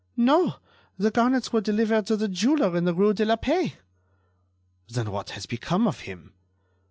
"No; the garnets were delivered to the jeweler in the rue de la Paix." "Then, what has become of him?"